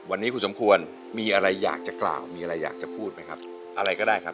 วันนี้คุณสมควรมีอะไรอยากจะกล่าวมีอะไรอยากจะพูดไหมครับอะไรก็ได้ครับ